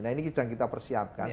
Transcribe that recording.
nah ini sedang kita persiapkan